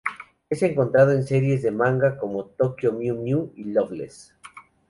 Es encontrado en series de manga como Tokyo Mew Mew y Loveless.